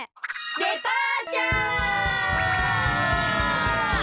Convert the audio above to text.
デパーチャー！